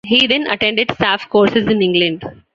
He then attended staff courses in England.